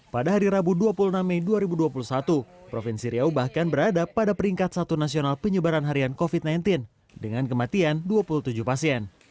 pada hari rabu dua puluh enam mei dua ribu dua puluh satu provinsi riau bahkan berada pada peringkat satu nasional penyebaran harian covid sembilan belas dengan kematian dua puluh tujuh pasien